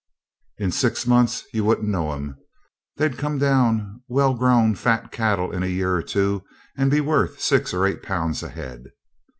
In six months you wouldn't know 'em. They'd come down well grown fat cattle in a year or two, and be worth their 6 or 8 Pounds a head.